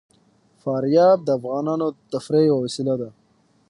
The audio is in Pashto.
فاریاب د افغانانو د تفریح یوه وسیله ده.